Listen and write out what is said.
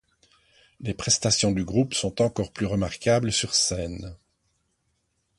Les prestations du groupe sont encore plus remarquables sur scène.